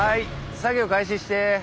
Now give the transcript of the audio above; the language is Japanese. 作業開始して。